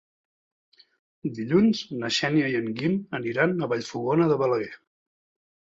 Dilluns na Xènia i en Guim aniran a Vallfogona de Balaguer.